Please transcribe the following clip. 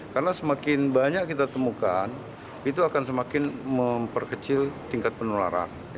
karena semakin banyak kita temukan itu akan semakin memperkecil tingkat penularan